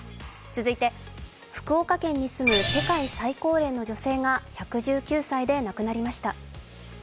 続いて福岡県に住む世界最高齢の女性が１１９歳で亡くなりました。